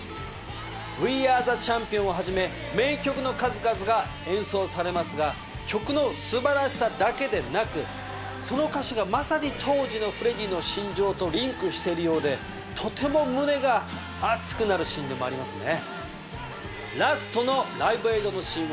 『ＷＥＡＲＥＴＨＥＣＨＡＭＰＩＯＮＳ』をはじめ名曲の数々が演奏されますが曲の素晴らしさだけでなくその歌詞がまさに当時のフレディの心情とリンクしているようでとても胸が熱くなるシーンでもありますね。